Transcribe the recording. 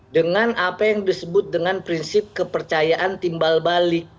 dengan apa yang disebut dengan prinsip kepercayaan timbal balik